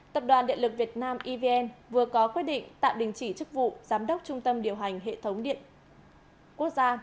tập đoàn điện lực việt nam evn vừa có quyết định tạm đình chỉ chức vụ giám đốc trung tâm điều hành hệ thống điện quốc gia